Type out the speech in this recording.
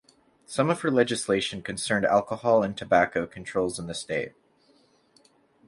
Some of her legislation concerned alcohol and tobacco controls in the state.